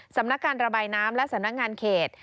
สำนักการระบายน้ำและสำนักงานเขต